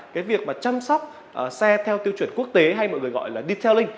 cái việc mà chăm sóc xe theo tiêu chuẩn quốc tế hay mọi người gọi là detailing